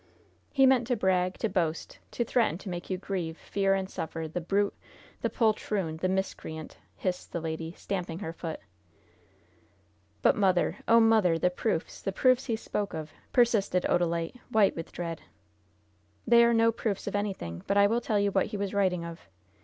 "He meant to brag, to boast, to threaten to make you grieve, fear and suffer the brute, the poltroon, the miscreant!" hissed the lady, stamping her foot. "But, mother oh, mother the proofs, the proofs he spoke of!" persisted Odalite, white with dread. "They are no proofs of anything; but I will tell you what he was writing of.